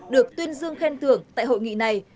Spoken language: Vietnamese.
được tuyên dương khen thưởng tại hội nghị này